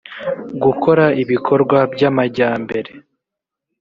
gukora ibikorwa by amajyambere